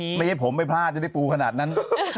ไม่ใช่ผมไม่พลาดจะได้ปูขนาดนั้น